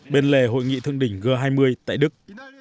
bên lề hội nghị thượng đỉnh g hai mươi tại đức